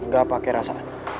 gak pake rasa